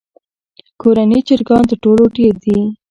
کورني چرګان تر ټولو ډېر دي.